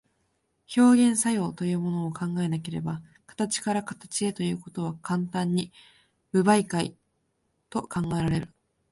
表現作用というものを考えなければ、形から形へということは単に無媒介と考えられる。